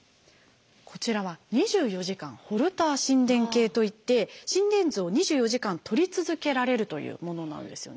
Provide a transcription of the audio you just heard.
こちらは「２４時間ホルター心電計」といって心電図を２４時間とり続けられるというものなんですよね。